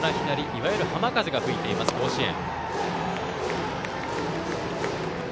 いわゆる浜風が吹いている甲子園。